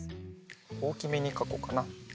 おおきめにかこうかな。